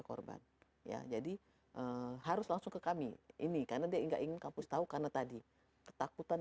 korban ya jadi harus langsung ke kami ini karena dia enggak ingin kampus tahu karena tadi ketakutan